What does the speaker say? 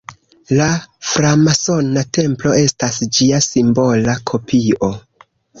La framasona templo estas ĝia simbola kopio.